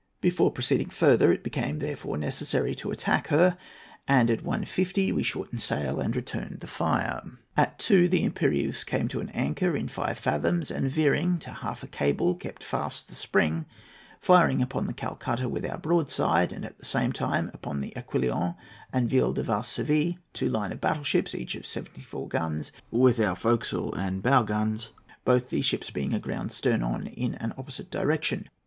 Before proceeding further, it became therefore necessary to attack her, and at 1.50 we shortened sail and returned the fire. At 2.0 the Impérieuse came to an anchor in five fathoms, and, veering to half a cable, kept fast the spring, firing upon the Calcutta with our broadside, and at the same time upon the Aquillon and Ville de Varsovie, two line of battle ships, each of seventy four guns, with our forecastle and bow guns, both these ships being aground stern on, in an opposite direction.